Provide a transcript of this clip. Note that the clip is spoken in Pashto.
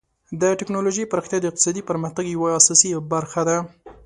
د ټکنالوژۍ پراختیا د اقتصادي پرمختګ یوه اساسي برخه ده.